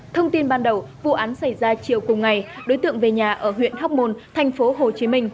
thông tin ban đầu vụ án xảy ra chiều cùng ngày đối tượng về nhà ở huyện hóc môn tp hcm